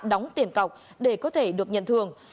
đóng tiền cọc để có thể được nhận thường